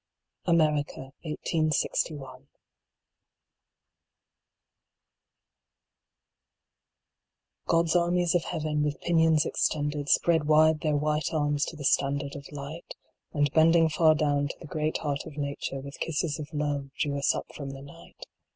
AMERICA, l86l. /"* OD S armies of Heaven, with pinions extended, Spread wide their white arms to the standard of Light ; And bending far down to the great Heart of Nature, With kisses of Love drew us up from the Night.